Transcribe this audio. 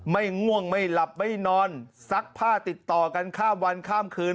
ง่วงไม่หลับไม่นอนซักผ้าติดต่อกันข้ามวันข้ามคืน